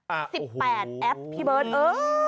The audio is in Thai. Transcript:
อ่าโอ้โห๑๘แอปพี่เบิร์นเอ้ย